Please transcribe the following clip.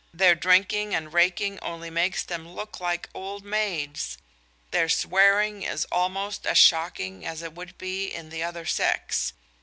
Their drinking and raking only makes them look like old maids. Their swearing is almost as shocking as it would be in the other sex.